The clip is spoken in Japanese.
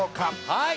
はい。